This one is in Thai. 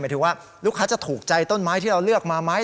ถึงว่าลูกค้าจะถูกใจต้นไม้ที่เราเลือกมาไหม